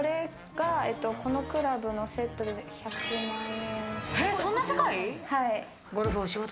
このクラブのセットで１００万円。